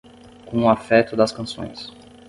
Com o afeto das canções